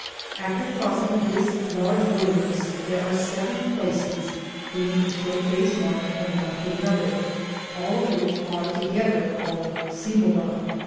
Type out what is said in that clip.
After crossing this large wilderness, there are seven places, being a short day's march from one to another, all of which are together called Cibola.